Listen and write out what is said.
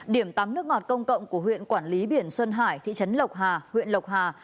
điểm tắm nước ngọt công cộng của huyện quản lý biển xuân hải thị trấn lộc hà huyện lộc hà